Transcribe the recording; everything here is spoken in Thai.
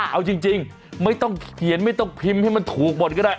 เอาจริงไม่ต้องเขียนไม่ต้องพิมพ์ให้มันถูกหมดก็ได้